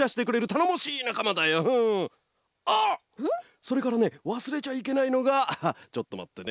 それからねわすれちゃいけないのがちょっとまってね。